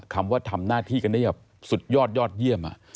คำว่าทำหน้าที่กันได้แบบสุดยอดยอดเยี่ยม